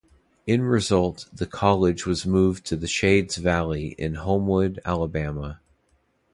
In result, the college was moved to the Shades Valley in Homewood, Alabama.